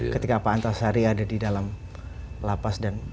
ketika pak antasari ada di dalam lapas dan